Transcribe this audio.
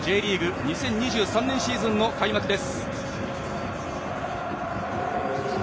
２０２３年シーズンの開幕です。